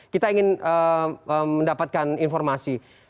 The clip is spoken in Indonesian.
kita ingin mendapatkan informasi